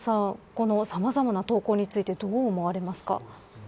この、さまざまな投稿についてどう思われますか。